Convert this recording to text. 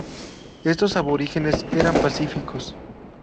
Estos aborígenes eran pacíficos.